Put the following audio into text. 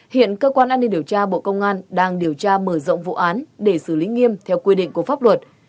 hiện cơ quan an ninh điều tra bộ công an đang điều tra mở rộng vụ án để xử lý nghiêm theo quy định của pháp luật